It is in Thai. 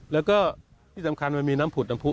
แล้วก็ที่สำคัญมันมีน้ำผุดน้ำผู้